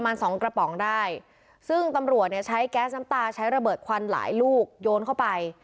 สองกระป๋องได้ซึ่งตำรวจเนี่ยใช้แก๊สน้ำตาใช้ระเบิดควันหลายลูกโยนเข้าไป